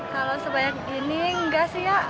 kalau sebanyak ini enggak sih ya